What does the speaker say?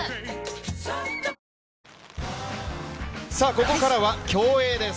ここからは競泳です。